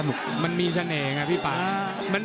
แต่ไม่จะได้เจาะอ่าน